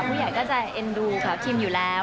ผู้ใหญ่ก็จะเอ็นดูค่ะคิมอยู่แล้ว